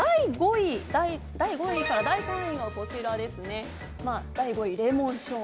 第５位から第３位がこちらです。